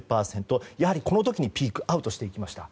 やはりこの時にピークアウトしていきました。